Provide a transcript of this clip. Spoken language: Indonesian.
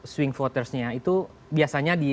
swing votersnya itu biasanya di